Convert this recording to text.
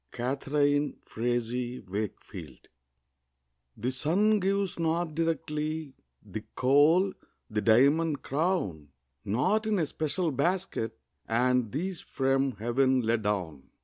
Catharine Frazee Wakefield. The sun gives not directly The coal, the diamond crown; Not in a special basket Are these from Heaven let down.